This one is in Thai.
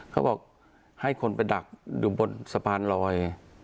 เขาบอกให้คนไปดักดูบนสะพานลอย